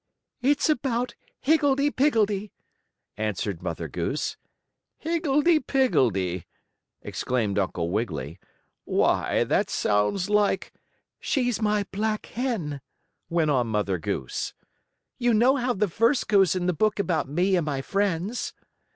"It's about Higgledee Piggledee," answered Mother Goose. "Higgledee Piggledee!" exclaimed Uncle Wiggily, "why that sounds like " "She's my black hen," went on Mother Goose. "You know how the verse goes in the book about me and my friends."